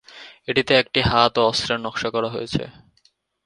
এটিতে একটি হাত ও অস্ত্রের নকশা করা হয়েছে।